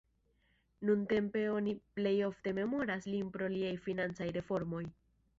Nuntempe oni plej ofte memoras lin pro liaj financaj reformoj.